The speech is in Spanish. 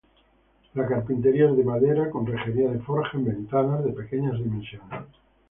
La carpintería es de madera, con rejería de forja en ventanas, de pequeñas dimensiones.